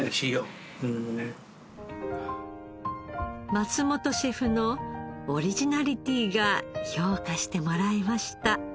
松本シェフのオリジナリティーが評価してもらえました。